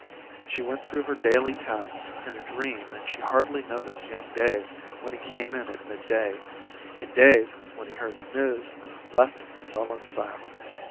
She went through her daily tasks in a dream and she hardly noticed young Dave when he came in at mid day, and Dave, when he heard the news, left in sullen silence.